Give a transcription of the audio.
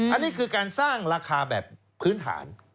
อันนี้คือการสร้างราคาแบบพื้นฐาน